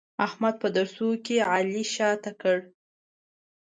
احمد په درسونو کې علي شاته کړ.